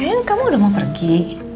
bayang kamu udah mau pergi